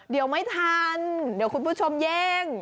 เดี๋ยวไม่ทันเดี๋ยวคุณผู้ชมเย่ง